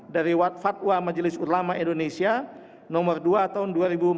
dari fatwa majelis ulama indonesia nomor dua tahun dua ribu empat belas